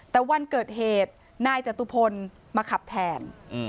แต่วันเกิดเหตุนายจตุพลมาขับแทน